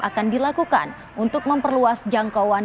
akan dilakukan untuk memperluas jangkauan